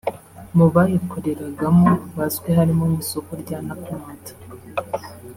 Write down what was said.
Mu bayikoreragamo bazwi harimo nk’isoko rya Nakumatt